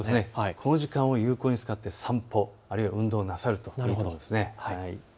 この時間を有効に使って散歩、あるいは運動をなさるといいと思います。